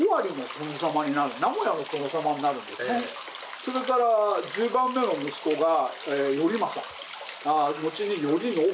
それから１０番目の息子が頼将後に頼宣。